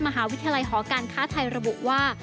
มหาวิทยาลัยหอการค้าไทยระบุว่า